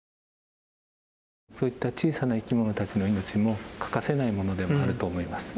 そういった小さな生きものたちの命も欠かせないものでもあると思います。